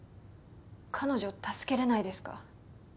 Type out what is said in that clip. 彼女助けれないですか？